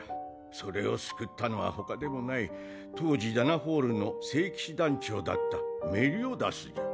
それを救ったのはほかでもない当時ダナフォールの聖騎士団長だったメリオダスじゃ。